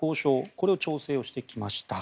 これを調整してきました。